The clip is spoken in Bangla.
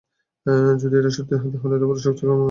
যদি এটা সত্যি হয়, তাহলে অতো বড় ক্রান্তিই হবে।